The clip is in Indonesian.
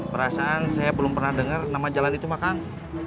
perasaan saya belum pernah denger nama jalan itu mah kang